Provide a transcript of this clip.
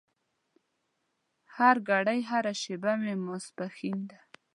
هرګړۍ هره شېبه مې ماسپښين ده